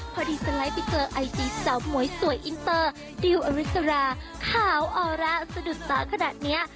พอดีสไลด์ไปเจอไอจีสาวหมวยสวยอินเตอร์ดิวอริสราขาวออร่าสะดุดตาขนาดนี้